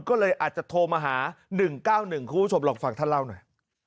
ก็เลยอาจจะโทรมาหา๑๙๑คุณผู้ชมลองฟังท่านเล่าหน่อย